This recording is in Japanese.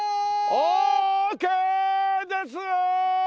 オーケーですよー！